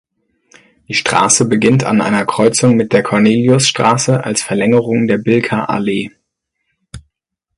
Die Straße beginnt an einer Kreuzung mit der Corneliusstraße als Verlängerung der Bilker Allee.